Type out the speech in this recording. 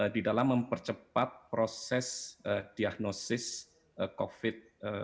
di dalam mempercepat proses diagnosis covid sembilan belas